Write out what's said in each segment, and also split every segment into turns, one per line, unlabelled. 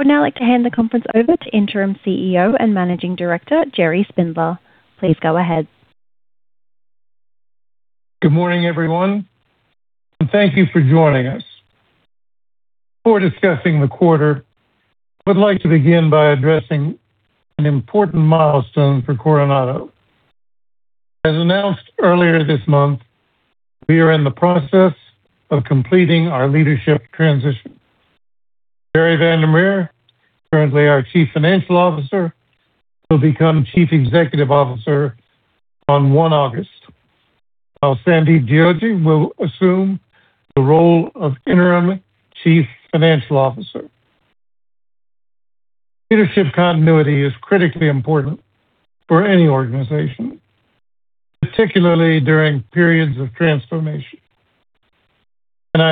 I would now like to hand the conference over to Interim CEO and Managing Director, Gerry Spindler. Please go ahead.
Good morning, everyone, and thank you for joining us. Before discussing the quarter, I would like to begin by addressing an important milestone for Coronado. As announced earlier this month, we are in the process of completing our leadership transition. Barry van der Merwe, currently our Chief Financial Officer, will become Chief Executive Officer on 1 August, while Sandeep Deoji will assume the role of Interim Chief Financial Officer. I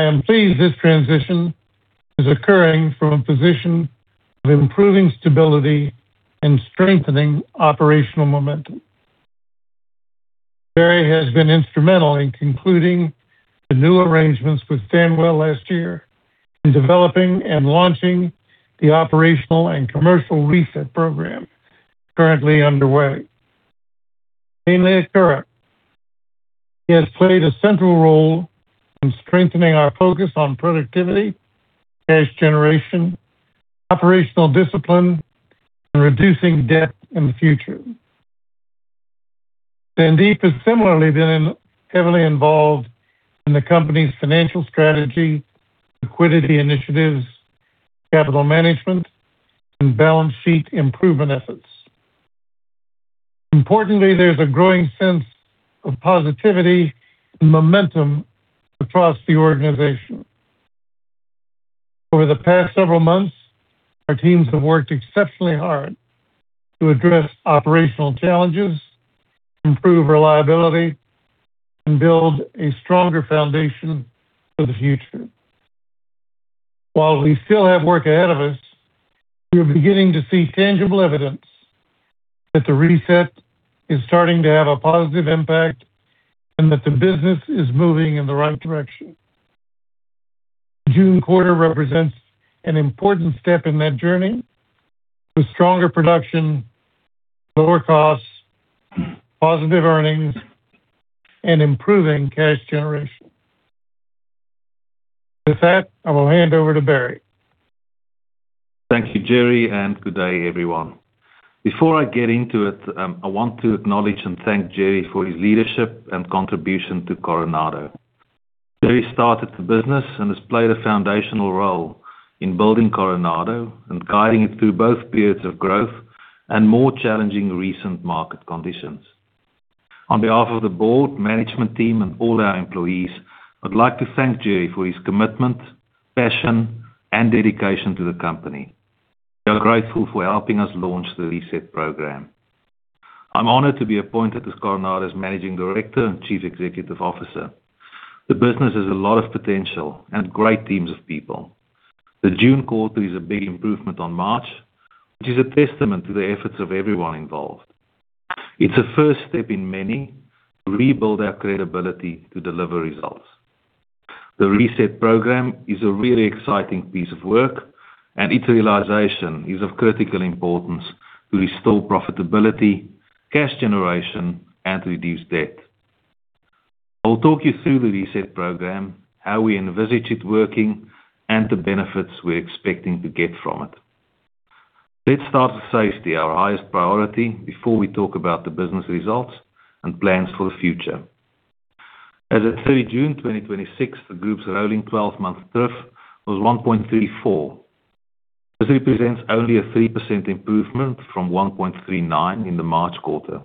am pleased this transition is occurring from a position of improving stability and strengthening operational momentum. Barry has been instrumental in concluding the new arrangements with Stanwell last year in developing and launching the operational and commercial RESET program currently underway. Mainly at Curragh. He has played a central role in strengthening our focus on productivity, cash generation, operational discipline, and reducing debt in the future. Sandeep has similarly been heavily involved in the company's financial strategy, liquidity initiatives, capital management, and balance sheet improvement efforts. Importantly, there's a growing sense of positivity and momentum across the organization. Over the past several months, our teams have worked exceptionally hard to address operational challenges, improve reliability, and build a stronger foundation for the future. While we still have work ahead of us, we are beginning to see tangible evidence that the RESET is starting to have a positive impact and that the business is moving in the right direction. The June quarter represents an important step in that journey with stronger production, lower costs, positive earnings, and improving cash generation. With that, I will hand over to Barry.
Thank you, Gerry, and good day, everyone. Before I get into it, I want to acknowledge and thank Gerry for his leadership and contribution to Coronado. Gerry started the business and has played a foundational role in building Coronado and guiding it through both periods of growth and more challenging recent market conditions. On behalf of the board, management team, and all our employees, I'd like to thank Gerry for his commitment, passion, and dedication to the company. We are grateful for helping us launch the RESET program. I'm honored to be appointed as Coronado's Managing Director and Chief Executive Officer. The business has a lot of potential and great teams of people. The June quarter is a big improvement on March, which is a testament to the efforts of everyone involved. It's the first step in many to rebuild our credibility to deliver results. The RESET program is a really exciting piece of work, its realization is of critical importance to restore profitability, cash generation, and to reduce debt. I'll talk you through the RESET program, how we envisage it working, and the benefits we're expecting to get from it. Let's start with safety, our highest priority, before we talk about the business results and plans for the future. As at 30 June 2026, the group's rolling 12-month TRIR was 1.34. This represents only a 3% improvement from 1.39 in the March quarter.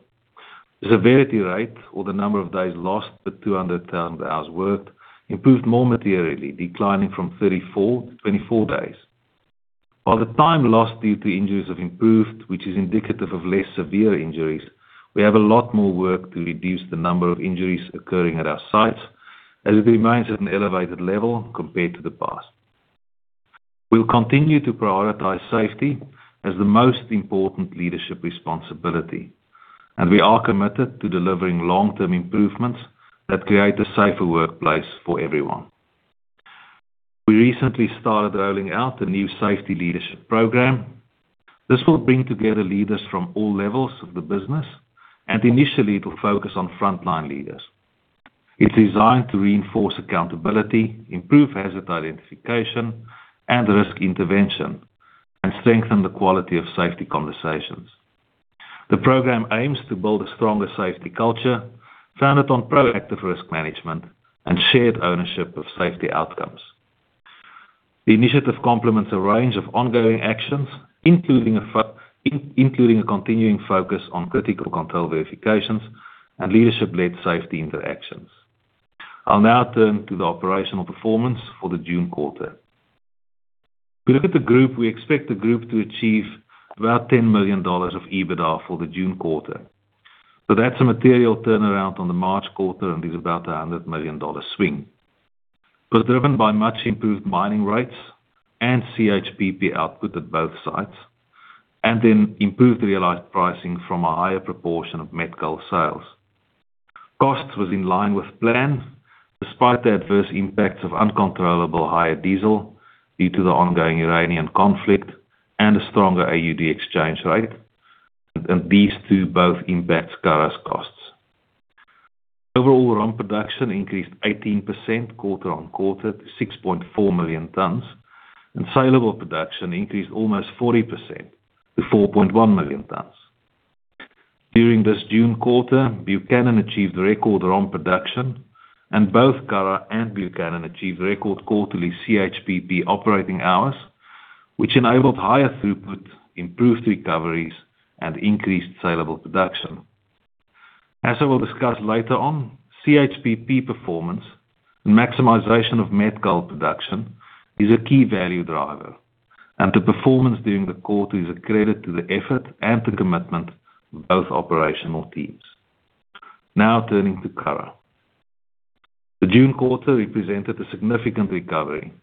The severity rate or the number of days lost for 200,000 hours worked improved more materially, declining from 34 to 24 days. While the time lost due to injuries have improved, which is indicative of less severe injuries, we have a lot more work to reduce the number of injuries occurring at our sites as it remains at an elevated level compared to the past. We'll continue to prioritize safety as the most important leadership responsibility, we are committed to delivering long-term improvements that create a safer workplace for everyone. We recently started rolling out a new safety leadership program. This will bring together leaders from all levels of the business, initially it will focus on frontline leaders. It's designed to reinforce accountability, improve hazard identification and risk intervention, strengthen the quality of safety conversations. The program aims to build a stronger safety culture founded on proactive risk management and shared ownership of safety outcomes. The initiative complements a range of ongoing actions, including a continuing focus on critical control verifications and leadership-led safety interactions. I'll now turn to the operational performance for the June quarter. If we look at the group, we expect the group to achieve about 10 million dollars of EBITDA for the June quarter. That's a material turnaround on the March quarter and is about a 100 million dollar swing. It was driven by much improved mining rates and CHPP output at both sites, then improved realized pricing from a higher proportion of met coal sales. Costs was in line with plan, despite the adverse impacts of uncontrollable higher diesel due to the ongoing Iranian conflict and a stronger AUD exchange rate. These two both impact Curragh's costs. Overall, ROM production increased 18% quarter-on-quarter to 6.4 million tons, and saleable production increased almost 40% to 4.1 million tons. During this June quarter, Buchanan achieved record ROM production, both Curragh and Buchanan achieved record quarterly CHPP operating hours, which enabled higher throughput, improved recoveries, increased saleable production. As I will discuss later on, CHPP performance and maximization of met coal production is a key value driver, the performance during the quarter is a credit to the effort and the commitment of both operational teams. Turning to Curragh. The June quarter represented a significant recovery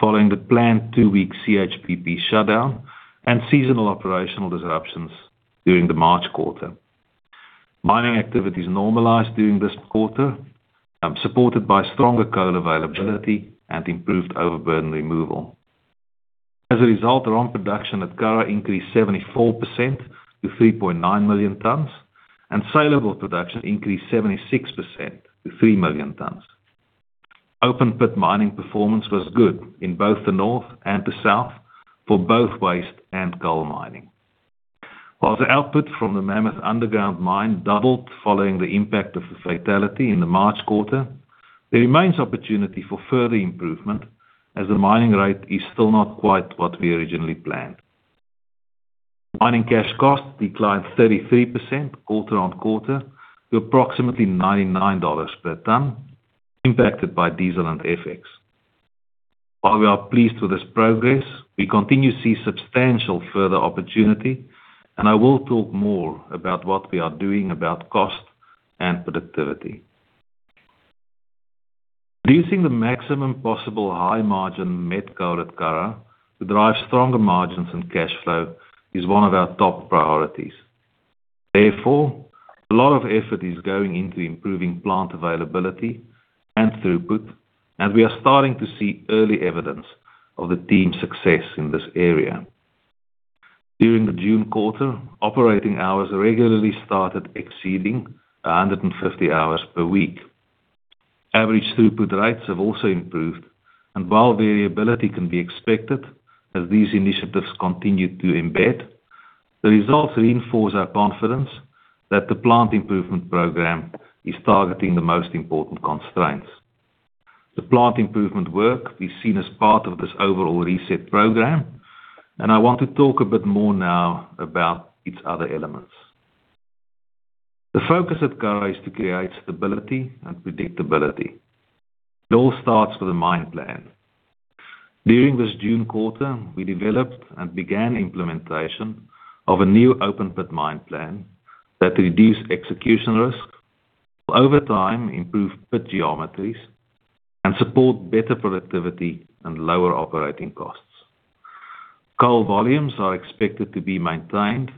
following the planned two-week CHPP shutdown and seasonal operational disruptions during the March quarter. Mining activities normalized during this quarter, supported by stronger coal availability and improved overburden removal. As a result, ROM production at Curragh increased 74% to 3.9 million tons, saleable production increased 76% to 3 million tons. Open pit mining performance was good in both the north and the south for both waste and coal mining. While the output from the Mammoth Underground Mine doubled following the impact of the fatality in the March quarter, there remains opportunity for further improvement as the mining rate is still not quite what we originally planned. Mining cash costs declined 33% quarter-over-quarter to approximately 99 dollars per ton, impacted by diesel and FX. While we are pleased with this progress, we continue to see substantial further opportunity. I will talk more about what we are doing about cost and productivity. Producing the maximum possible high-margin met coal at Curragh to drive stronger margins and cash flow is one of our top priorities. Therefore, a lot of effort is going into improving plant availability and throughput. We are starting to see early evidence of the team's success in this area. During the June quarter, operating hours regularly started exceeding 150 hours per week. Average throughput rates have also improved. While variability can be expected as these initiatives continue to embed, the results reinforce our confidence that the plant improvement program is targeting the most important constraints. The plant improvement work is seen as part of this overall RESET program. I want to talk a bit more now about its other elements. The focus at Curragh is to create stability and predictability. It all starts with a mine plan. During this June quarter, we developed and began implementation of a new open pit mine plan that reduce execution risk, over time improve pit geometries, and support better productivity and lower operating costs. Coal volumes are expected to be maintained.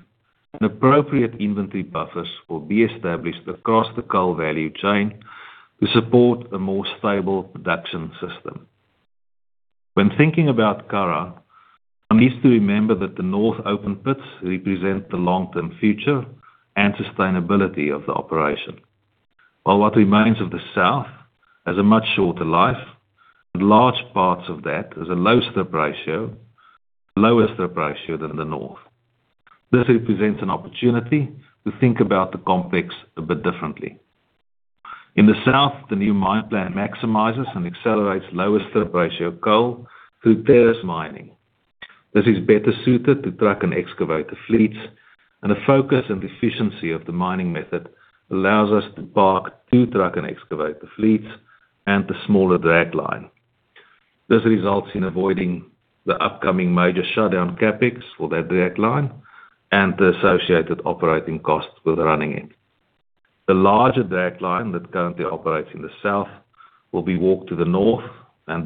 Appropriate inventory buffers will be established across the coal value chain to support a more stable production system. When thinking about Curragh, one needs to remember that the north open pits represent the long-term future and sustainability of the operation. While what remains of the south has a much shorter life. Large parts of that has a low strip ratio, lower strip ratio than the north. This represents an opportunity to think about the complex a bit differently. In the south, the new mine plan maximizes and accelerates lower strip ratio coal through terrace mining. This is better suited to truck and excavator fleets. The focus and efficiency of the mining method allows us to park two truck and excavator fleets and the smaller dragline. This results in avoiding the upcoming major shutdown CapEx for that dragline and the associated operating costs with running it. The larger dragline that currently operates in the south will be walked to the north.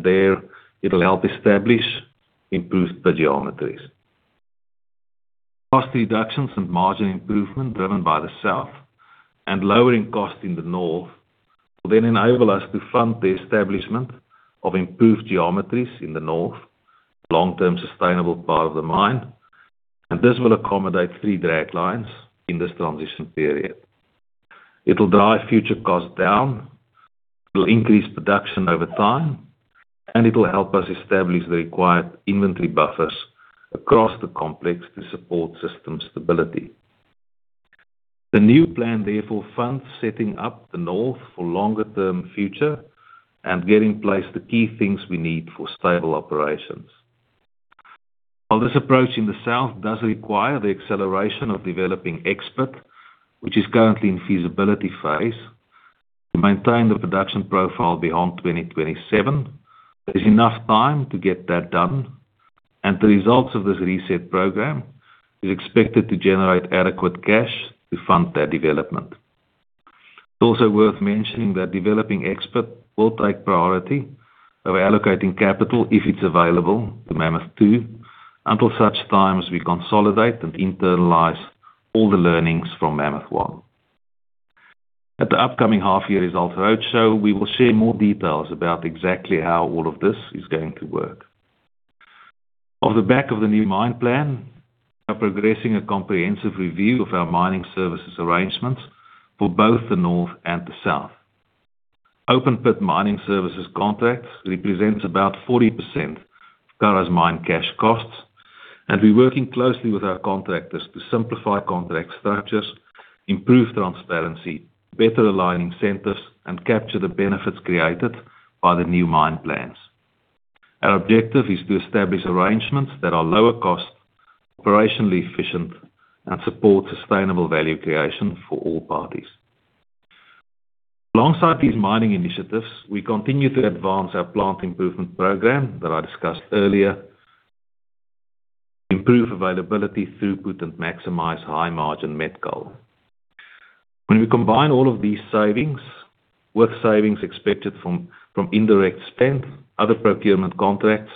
There it'll help establish improved pit geometries. Cost reductions and margin improvement driven by the south and lowering costs in the north will then enable us to fund the establishment of improved geometries in the north, long-term sustainable part of the mine. This will accommodate three draglines in this transition period. It'll drive future costs down, it'll increase production over time, and it'll help us establish the required inventory buffers across the complex to support system stability. The new plan therefore funds setting up the north for longer term future and get in place the key things we need for stable operations. While this approach in the south does require the acceleration of developing X-Pit, which is currently in feasibility phase, to maintain the production profile beyond 2027, there is enough time to get that done, and the results of this RESET program is expected to generate adequate cash to fund that development. It's also worth mentioning that developing X-Pit will take priority over allocating capital, if it's available, to Mammoth 2 until such time as we consolidate and internalize all the learning from Mammoth 1. At the upcoming half-year results roadshow, we will share more details about exactly how all of this is going to work. Off the back of the new mine plan, we are progressing a comprehensive review of our mining services arrangements for both the North and the South. Open-pit mining services contracts represent about 40% of Curragh's mine cash costs, and we're working closely with our contractors to simplify contract structures, improve transparency, better align incentives, and capture the benefits created by the new mine plans. Our objective is to establish arrangements that are lower cost, operationally efficient, and support sustainable value creation for all parties. Alongside these mining initiatives, we continue to advance our plant improvement program that I discussed earlier, improve availability throughput, and maximize high-margin met coal. When we combine all of these savings with savings expected from indirect spend, other procurement contracts,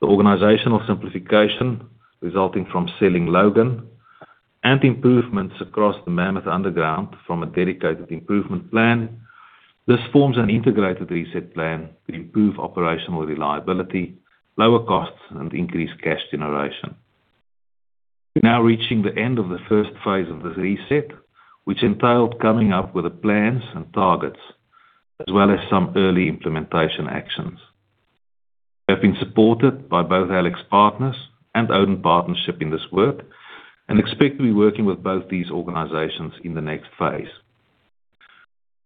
the organizational simplification resulting from selling Logan, and improvements across the Mammoth Underground from a dedicated improvement plan. This forms an integrated RESET plan to improve operational reliability, lower costs, and increase cash generation. We're now reaching the end of the first phase of the RESET, which entailed coming up with plans and targets, as well as some early implementation actions. We have been supported by both AlixPartners and Odin Partnership in this work and expect to be working with both these organizations in the next phase.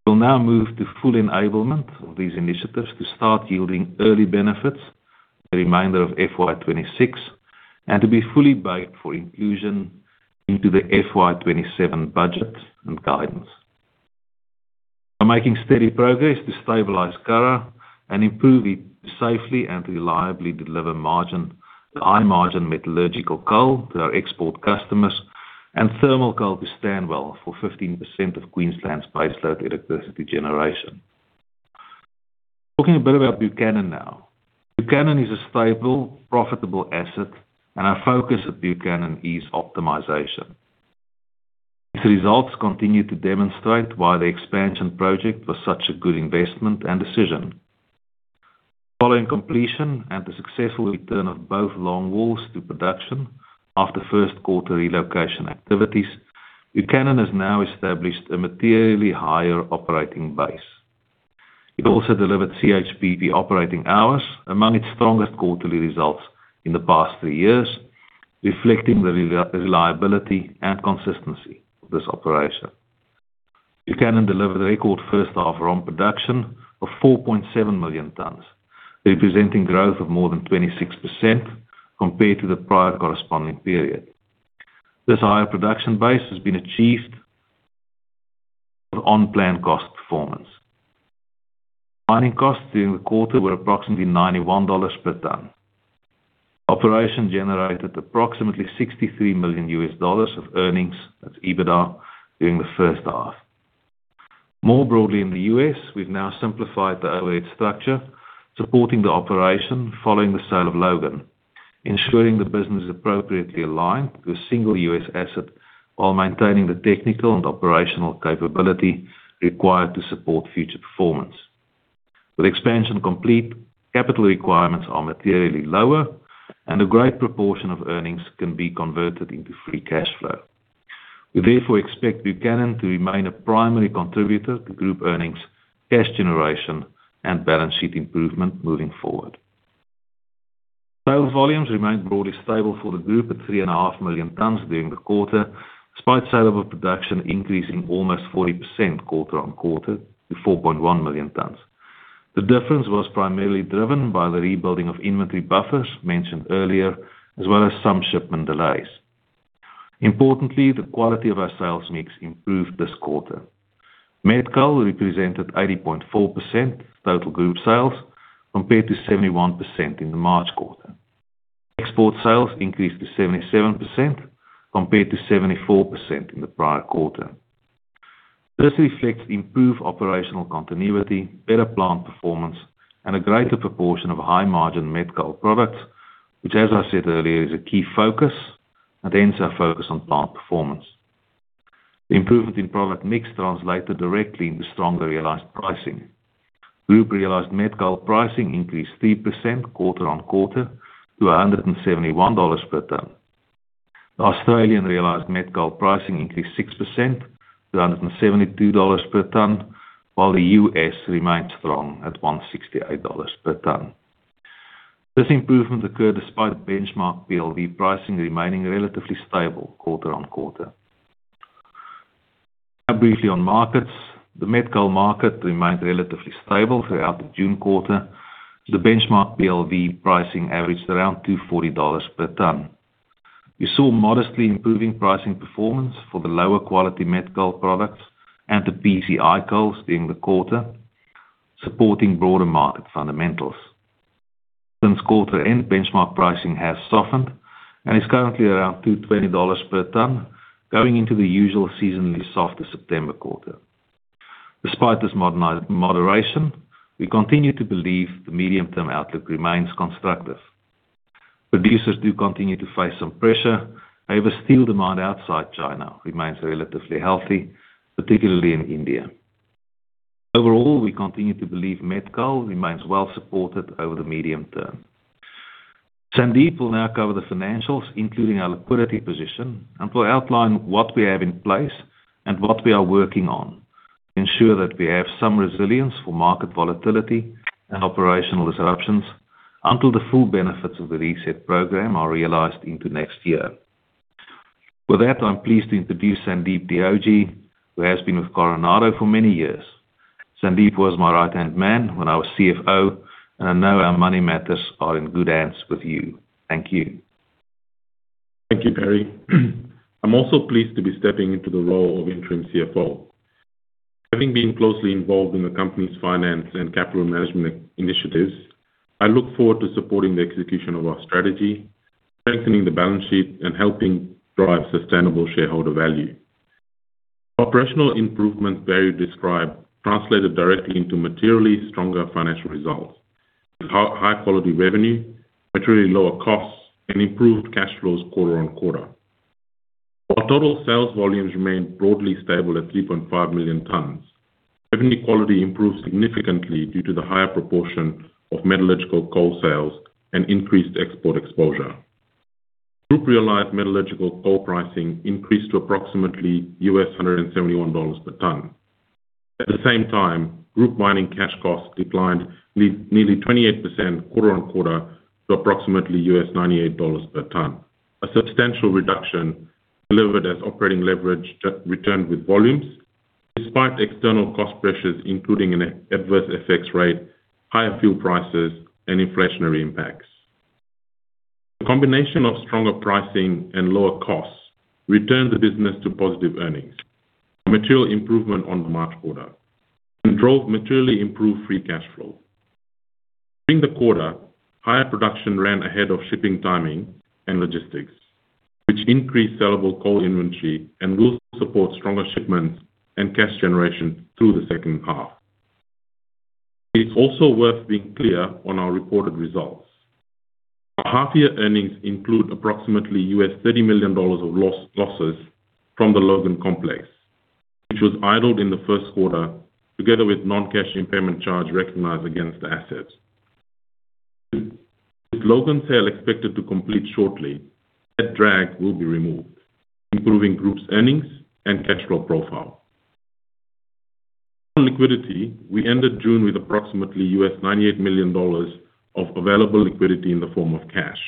We'll now move to full enablement of these initiatives to start yielding early benefits for the remainder of FY 2026 and to be fully baked for inclusion into the FY 2027 budget and guidance. We're making steady progress to stabilize Curragh and improve it to safely and reliably deliver high-margin metallurgical coal to our export customers and thermal coal to Stanwell for 15% of Queensland's baseload electricity generation. Talking a bit about Buchanan now. Buchanan is a stable, profitable asset, and our focus at Buchanan is optimization. These results continue to demonstrate why the expansion project was such a good investment and decision. Following completion and the successful return of both longwalls to production after first quarter relocation activities, Buchanan has now established a materially higher operating base. It also delivered CHPP operating hours among its strongest quarterly results in the past three years, reflecting the reliability and consistency of this operation. Buchanan delivered a record first half ROM production of 4.7 million tons, representing growth of more than 26% compared to the prior corresponding period. This higher production base has been achieved with on-plan cost performance. Mining costs during the quarter were approximately 91 dollars per ton. Operation generated approximately AUD 63 million of earnings, that's EBITDA, during the first half. More broadly in the U.S., we've now simplified the overhead structure, supporting the operation following the sale of Logan, ensuring the business is appropriately aligned with a single U.S. asset while maintaining the technical and operational capability required to support future performance. With expansion complete, capital requirements are materially lower, and a great proportion of earnings can be converted into free cash flow. We, therefore, expect Buchanan to remain a primary contributor to group earnings, cash generation, and balance sheet improvement moving forward. Sale volumes remained broadly stable for the group at three and a half million tons during the quarter, despite saleable production increasing almost 40% quarter-on-quarter to 4.1 million tons. The difference was primarily driven by the rebuilding of inventory buffers mentioned earlier, as well as some shipment delays. Importantly, the quality of our sales mix improved this quarter. Met coal represented 80.4% of total group sales, compared to 71% in the March quarter. Export sales increased to 77%, compared to 74% in the prior quarter. This reflects improved operational continuity, better plant performance, and a greater proportion of high-margin met coal products, which as I said earlier, is a key focus, and hence our focus on plant performance. The improvement in product mix translated directly into stronger realized pricing. Group realized met coal pricing increased 3% quarter-on-quarter to $171 per ton. The Australian realized met coal pricing increased 6% to 172 dollars per ton, while the U.S. remained strong at $168 per ton. This improvement occurred despite benchmark PLV pricing remaining relatively stable quarter-on-quarter. Briefly on markets. The met coal market remained relatively stable throughout the June quarter. The benchmark PLV pricing averaged around $240 per ton. We saw modestly improving pricing performance for the lower-quality met coal products and the PCI coals during the quarter, supporting broader market fundamentals. Since quarter end, benchmark pricing has softened and is currently around $220 per ton, going into the usual seasonally softer September quarter. Despite this moderation, we continue to believe the medium-term outlook remains constructive. Producers do continue to face some pressure. However, steel demand outside China remains relatively healthy, particularly in India. Overall, we continue to believe met coal remains well supported over the medium term. Sandeep will now cover the financials, including our liquidity position, and will outline what we have in place and what we are working on to ensure that we have some resilience for market volatility and operational disruptions until the full benefits of the reset program are realized into next year. With that, I'm pleased to introduce Sandeep Deoji, who has been with Coronado for many years. Sandeep was my right-hand man when I was CFO, and I know our money matters are in good hands with you. Thank you.
Thank you, Barry. I'm also pleased to be stepping into the role of interim CFO. Having been closely involved in the company's finance and capital management initiatives, I look forward to supporting the execution of our strategy, strengthening the balance sheet, and helping drive sustainable shareholder value. Operational improvements Barry described translated directly into materially stronger financial results, with high-quality revenue, materially lower costs, and improved cash flows quarter-on-quarter. While total sales volumes remained broadly stable at 3.5 million tons, revenue quality improved significantly due to the higher proportion of metallurgical coal sales and increased export exposure. Group realized metallurgical coal pricing increased to approximately $171 per ton. At the same time, group mining cash costs declined nearly 28% quarter-on-quarter to approximately $98 per ton. A substantial reduction delivered as operating leverage returned with volumes, despite external cost pressures, including an adverse FX rate, higher fuel prices, and inflationary impacts. The combination of stronger pricing and lower costs returned the business to positive earnings, a material improvement on the March quarter, and drove materially improved free cash flow. During the quarter, higher production ran ahead of shipping timing and logistics, which increased sellable coal inventory and will support stronger shipments and cash generation through the second half. It's also worth being clear on our reported results. Our half-year earnings include approximately $30 million of losses from the Logan Complex, which was idled in the first quarter, together with non-cash payment charge recognized against assets. With Logan sale expected to complete shortly, that drag will be removed, improving group's earnings and cash flow profile. On liquidity, we ended June with approximately $98 million of available liquidity in the form of cash.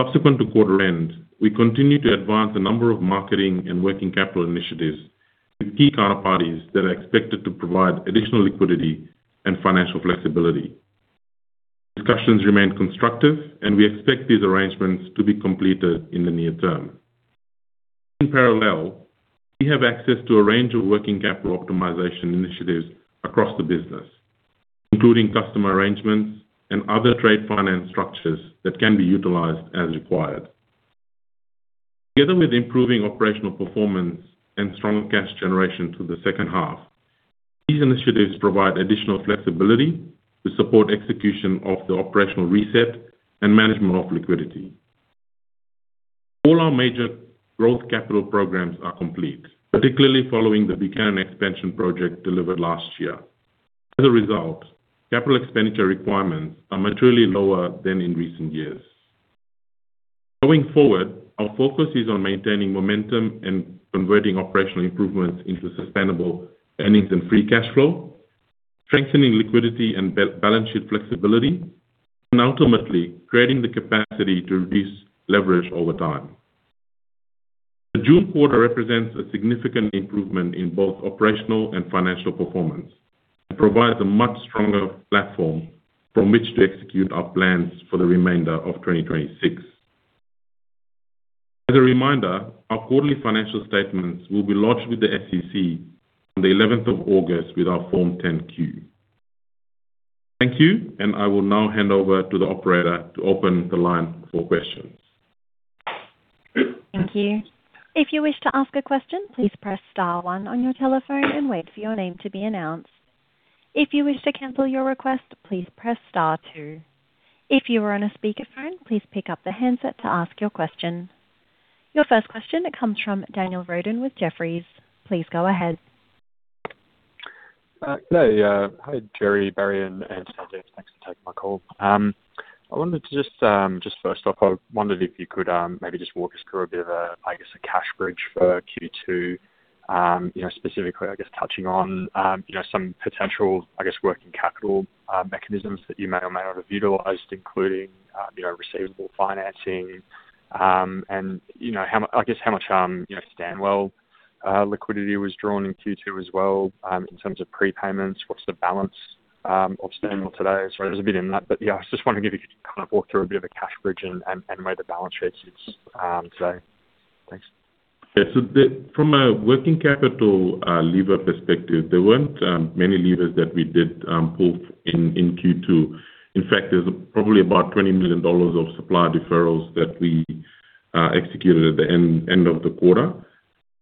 Subsequent to quarter end, we continue to advance a number of marketing and working capital initiatives with key counterparties that are expected to provide additional liquidity and financial flexibility. Discussions remain constructive, and we expect these arrangements to be completed in the near term. In parallel, we have access to a range of working capital optimization initiatives across the business, including customer arrangements and other trade finance structures that can be utilized as required. Together with improving operational performance and stronger cash generation through the second half, these initiatives provide additional flexibility to support execution of the operational RESET and management of liquidity. All our major growth capital programs are complete, particularly following the Buchanan expansion project delivered last year. As a result, capital expenditure requirements are materially lower than in recent years. Going forward, our focus is on maintaining momentum and converting operational improvements into sustainable earnings and free cash flow, strengthening liquidity and balance sheet flexibility, and ultimately creating the capacity to reduce leverage over time. The June quarter represents a significant improvement in both operational and financial performance and provides a much stronger platform from which to execute our plans for the remainder of 2026. As a reminder, our quarterly financial statements will be lodged with the SEC on the 11th of August with our Form 10-Q. Thank you. I will now hand over to the operator to open the line for questions.
Thank you. If you wish to ask a question, please press star one on your telephone and wait for your name to be announced. If you wish to cancel your request, please press star two. If you are on a speakerphone, please pick up the handset to ask your question. Your first question comes from Daniel Roden with Jefferies. Please go ahead.
Hello. Hi, Gerry, Barry, and Sandeep. Thanks for taking my call. Just first off, I wondered if you could maybe just walk us through a bit of, I guess, a cash bridge for Q2. Specifically, I guess, touching on some potential, I guess, working capital mechanisms that you may or may not have viewed, including the receivable financing. And I guess, how much Stanwell liquidity was drawn in Q2 as well, in terms of prepayments. What's the balance of Stanwell today? Sorry, there's a bit in that, yeah, I just wanted to kind of walk through a bit of a cash bridge and where the balance sits today. Thanks.
Yeah. From a working capital lever perspective, there weren't many levers that we did pull in Q2. In fact, there's probably about 20 million dollars of supply deferrals that we executed at the end of the quarter.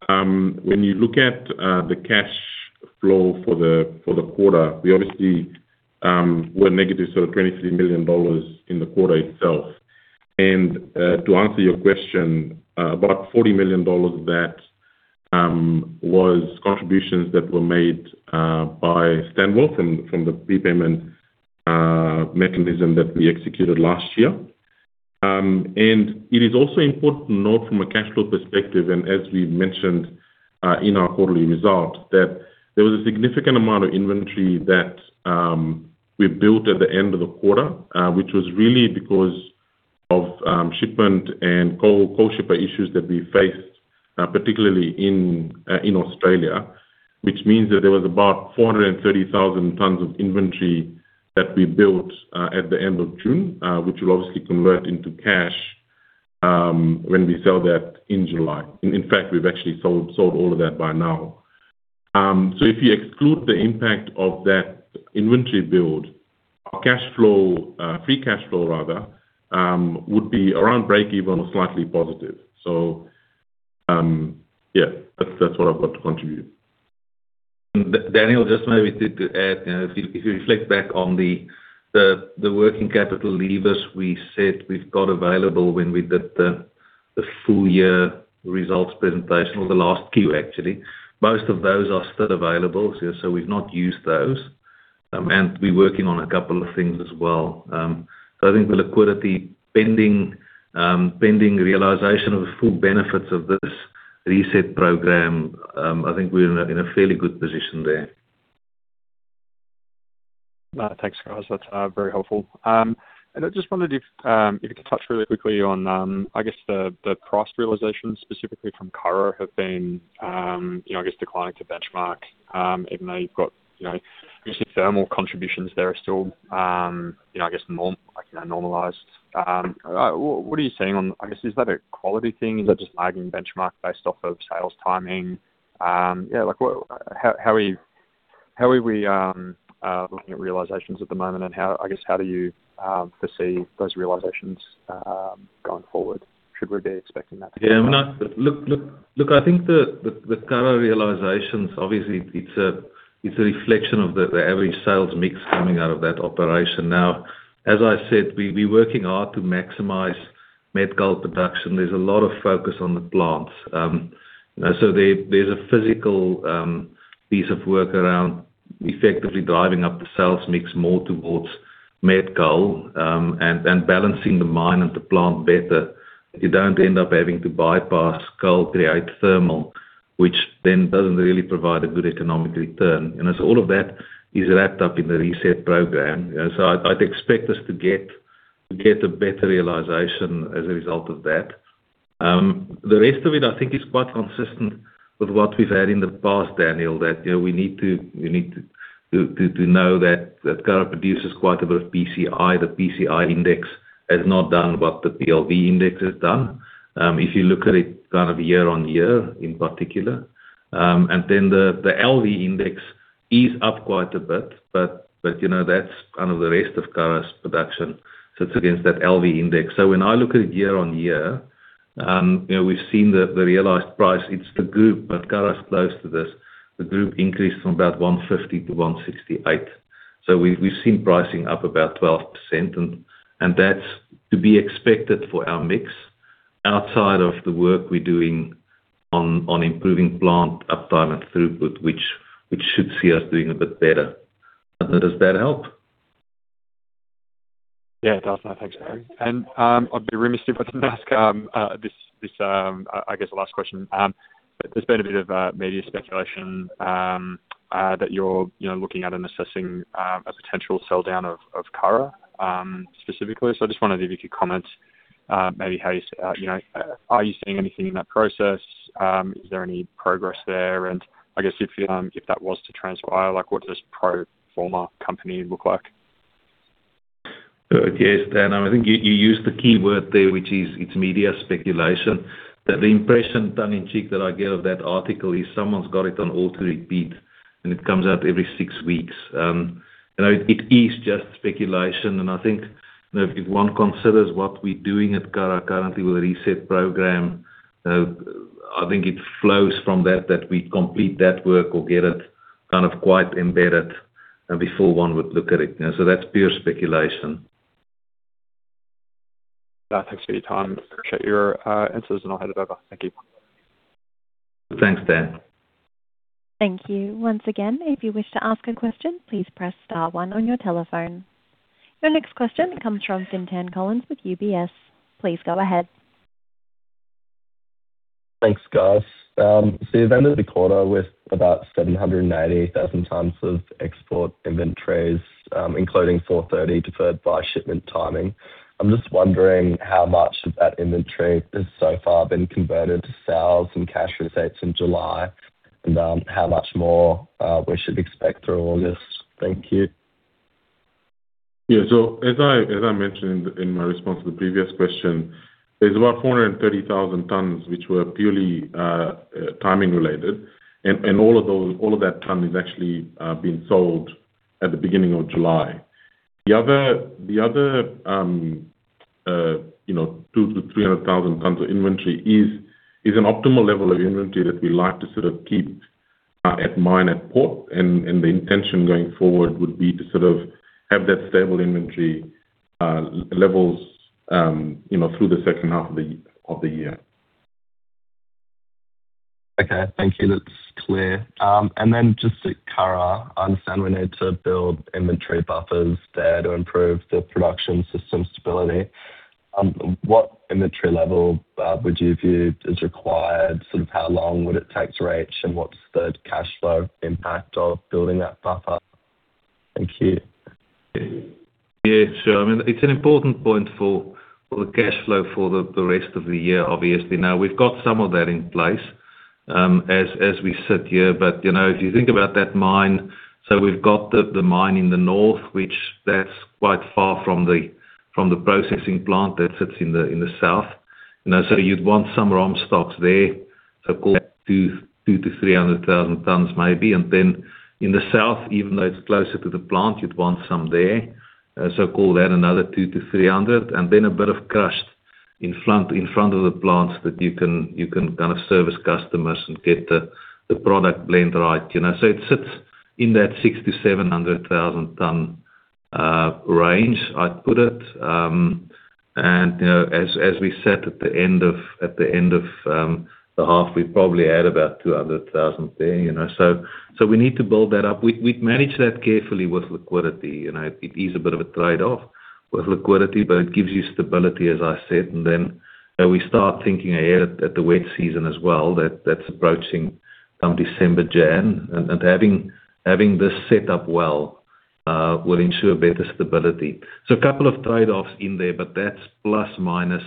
When you look at the cash flow for the quarter, we obviously were negative, 23 million dollars in the quarter itself. To answer your question, about 40 million dollars of that was contributions that were made by Stanwell from the prepayment mechanism that we executed last year. It is also important to note from a cash flow perspective, and as we mentioned in our quarterly results, that there was a significant amount of inventory that we built at the end of the quarter, which was really because of shipment and co-shipper issues that we faced, particularly in Australia. Which means that there was about 430,000 tons of inventory that we built at the end of June, which will obviously convert into cash when we sell that in July. In fact, we've actually sold all of that by now. If you exclude the impact of that inventory build, our cash flow, free cash flow rather, would be around breakeven or slightly positive. Yeah, that's what I've got to contribute.
Daniel, just maybe to add, if you reflect back on the working capital levers we said we've got available when we did the full-year results presentation, or the last Q, actually. Most of those are still available. We've not used those. We're working on a couple of things as well. I think the liquidity pending realization of the full benefits of this RESET program, I think we're in a fairly good position there.
Thanks, guys. That's very helpful. I just wondered if you could touch really quickly on, I guess the price realizations specifically from Curragh have been declining to benchmark, even though you've got obviously thermal contributions there are still normalized. What are you seeing on, I guess, is that a quality thing? Is that just lagging benchmark based off of sales timing? How are we looking at realizations at the moment, and how do you foresee those realizations going forward? Should we be expecting that to happen?
Yeah. Look, I think the Curragh realizations, obviously, it's a reflection of the average sales mix coming out of that operation. Now, as I said, we're working hard to maximize met coal production. There's a lot of focus on the plants. There's a physical piece of work around effectively driving up the sales mix more towards met coal, and balancing the mine and the plant better, so you don't end up having to bypass coal, create thermal, which then doesn't really provide a good economic return. As all of that is wrapped up in the RESET program, I'd expect us to get a better realization as a result of that. The rest of it, I think, is quite consistent with what we've had in the past, Daniel, that we need to know that Curragh produces quite a bit of PCI. The PCI index has not done what the PLV index has done. If you look at it year-on-year in particular. The LV index is up quite a bit, but that's the rest of Curragh's production sits against that LV index. When I look at it year-on-year, we've seen the realized price, it's the group, but Curragh's close to this. The group increased from about 150-168. We've seen pricing up about 12%, and that's to be expected for our mix outside of the work we're doing on improving plant uptime and throughput, which should see us doing a bit better. Does that help?
Yeah, it does. No, thanks, Barry. I'd be remiss if I didn't ask this last question. There's been a bit of media speculation that you're looking at and assessing a potential sell-down of Curragh specifically. I just wondered if you could comment maybe are you seeing anything in that process? Is there any progress there? If that was to transpire, what does pro forma company look like?
Yes, Dan, I think you used the keyword there, which is it's media speculation. The impression, tongue in cheek, that I get of that article is someone's got it on auto repeat, it comes out every six weeks. It is just speculation, I think if one considers what we're doing at Curragh currently with the RESET program, I think it flows from that we complete that work or get it quite embedded before one would look at it. That's pure speculation.
Thanks for your time. Appreciate your answers, I'll hand it over. Thank you.
Thanks, Dan.
Thank you. Once again, if you wish to ask a question, please press star one on your telephone. Your next question comes from Fintan Collins with UBS. Please go ahead.
Thanks, guys. You ended the quarter with about 790,000 tons of export inventories, including 430,000 deferred by shipment timing. I'm just wondering how much of that inventory has so far been converted to sales and cash receipts in July, and how much more we should expect through August. Thank you.
As I mentioned in my response to the previous question, there's about 430,000 tons which were purely timing related, and all of that ton has actually been sold at the beginning of July. The other 200,000-300,000 tons of inventory is an optimal level of inventory that we like to sort of keep at mine at port, and the intention going forward would be to sort of have that stable inventory levels through the second half of the year.
Okay. Thank you. That's clear. Then just at Curragh, I understand we need to build inventory buffers there to improve the production system stability. What inventory level would you view is required? Sort of how long would it take to reach, and what's the cash flow impact of building that buffer? Thank you.
Yeah, sure. It's an important point for the cash flow for the rest of the year, obviously. Now we've got some of that in place as we sit here. If you think about that mine, we've got the mine in the north, which that's quite far from the processing plant that sits in the South. You'd want some ROM stocks there, call that 200,000-300,000 tons maybe. Then in the south, even though it's closer to the plant, you'd want some there, call that another 200,000-300,000 and then a bit of crushed in front of the plant that you can kind of service customers and get the product blend right. It sits in that 600,000-700,000 ton range, I'd put it. As we sat at the end of the half, we probably add about 200,000 there. We need to build that up. We'd manage that carefully with liquidity. It is a bit of a trade-off with liquidity, but it gives you stability, as I said. Then we start thinking ahead at the wet season as well, that's approaching December, January. Having this set up well will ensure better stability. A couple of trade-offs in there, but that's plus minus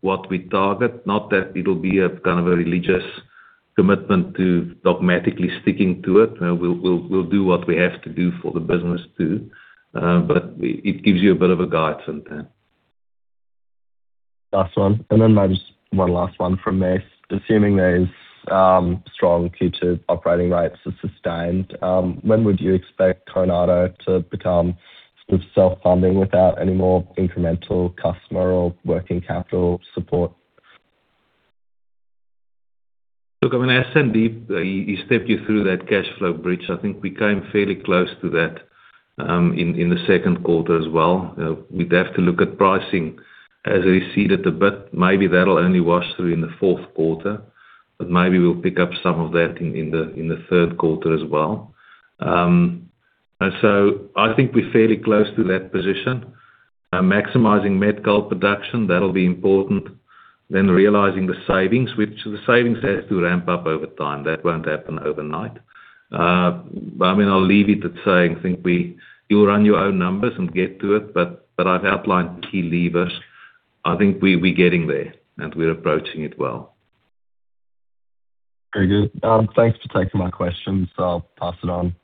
what we target. Not that it'll be a kind of a religious commitment to dogmatically sticking to it. We'll do what we have to do for the business too. It gives you a bit of a guidance on that.
Last one, then maybe just one last one from me. Assuming those strong Q2 operating rates are sustained, when would you expect Coronado to become sort of self-funding without any more incremental customer or working capital support?
Look, I mean, as Sandeep, he stepped you through that cash flow bridge. I think we came fairly close to that in the second quarter as well. We'd have to look at pricing as receded a bit. Maybe that'll only wash through in the fourth quarter, but maybe we'll pick up some of that in the third quarter as well. I think we're fairly close to that position. Maximizing met coal production, that'll be important. Realizing the savings, which the savings has to ramp up over time. That won't happen overnight. I mean, I'll leave it at saying I think you'll run your own numbers and get to it, but I've outlined key levers. I think we're getting there, and we're approaching it well.
Very good. Thanks for taking my questions. I'll pass it on.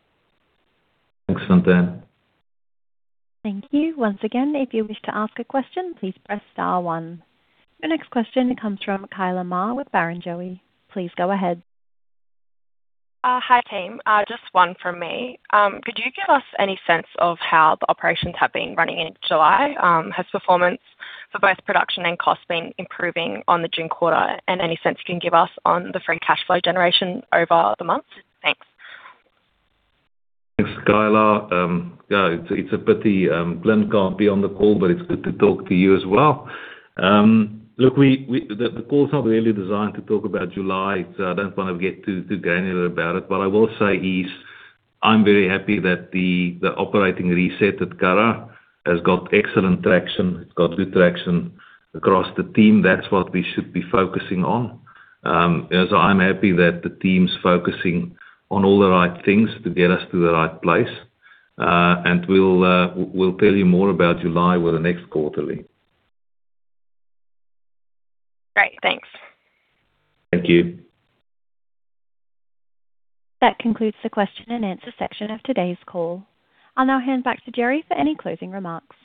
Thanks, Fintan.
Thank you. Once again, if you wish to ask a question, please press star one. Your next question comes from Khyla Maher with Barrenjoey. Please go ahead.
Hi, team. Just one from me. Could you give us any sense of how the operations have been running into July? Has performance for both production and cost been improving on the June quarter? Any sense you can give us on the free cash flow generation over the month? Thanks.
Thanks, Khyla. It's a pity Glenn can't be on the call, but it's good to talk to you as well. The call's not really designed to talk about July, so I don't want to get too granular about it. What I will say is, I'm very happy that the operating reset at Curragh has got excellent traction. It's got good traction across the team. That's what we should be focusing on. I'm happy that the team's focusing on all the right things to get us to the right place. We'll tell you more about July with the next quarterly.
Great. Thanks.
Thank you.
That concludes the question and answer section of today's call. I'll now hand back to Gerry for any closing remarks.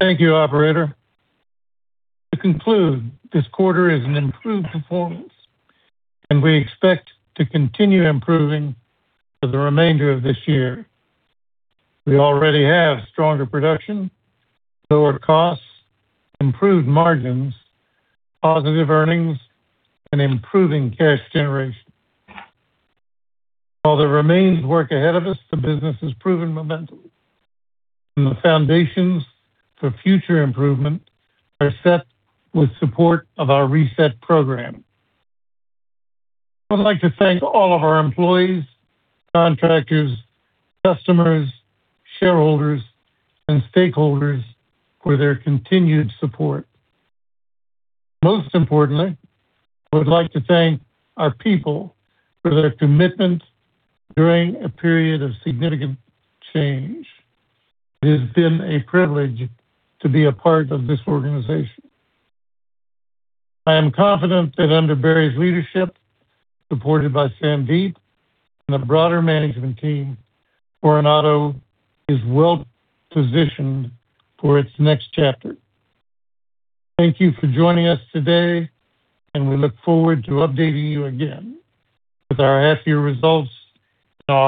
Thank you, operator. To conclude, this quarter is an improved performance, and we expect to continue improving for the remainder of this year. We already have stronger production, lower costs, improved margins, positive earnings, and improving cash generation. While there remains work ahead of us, the business has proven momentum, and the foundations for future improvement are set with support of our RESET program. I would like to thank all of our employees, contractors, customers, shareholders, and stakeholders for their continued support. Most importantly, I would like to thank our people for their commitment during a period of significant change. It has been a privilege to be a part of this organization. I am confident that under Barry's leadership, supported by Sandeep and the broader management team, Coronado is well-positioned for its next chapter. Thank you for joining us today, and we look forward to updating you again with our half year results on.